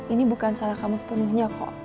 ini bukan salah kamu sepenuhnya kok